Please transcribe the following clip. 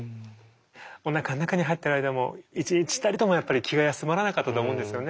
おなかの中に入ってる間も一日たりともやっぱり気が休まらなかったと思うんですよね。